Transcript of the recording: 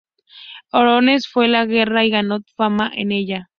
Orontes fue a la guerra y ganó fama en ella.